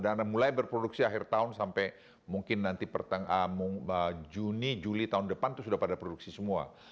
dan mulai berproduksi akhir tahun sampai mungkin nanti pertengah juni juli tahun depan itu sudah pada produksi semua